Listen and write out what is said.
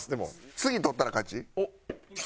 次取ったら勝ち？